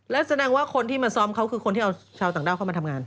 แล้วแสดงว่าคนที่มาซ้อมเขาคือคนที่เอาชาวต่างด้าวเข้ามาทำงาน